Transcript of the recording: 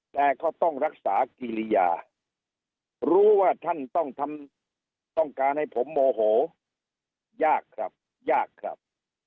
แต่ก็ต้องรักษากิริยารู้ว่าท่านต้องทำต้องการให้ผมโมโหยากครับยากครับ